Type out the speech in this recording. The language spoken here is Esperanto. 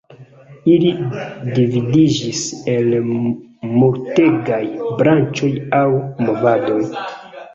Ili dividiĝis en multegaj branĉoj aŭ movadoj.